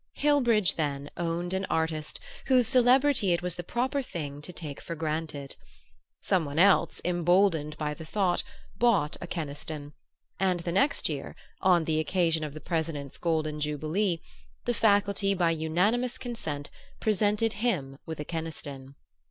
Hillbridge, then, owned an artist whose celebrity it was the proper thing to take for granted! Some one else, emboldened by the thought, bought a Keniston; and the next year, on the occasion of the President's golden jubilee, the Faculty, by unanimous consent, presented him with a Keniston.